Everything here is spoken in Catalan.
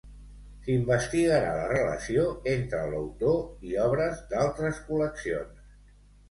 S'investigarà la relació entre l'autor i obres d'altres col·leccions.